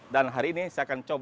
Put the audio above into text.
dan hari ini saya akan mencoba